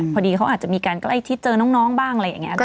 พอดีเขาอาจจะมีการใกล้ชิดเจอน้องบ้างอะไรอย่างนี้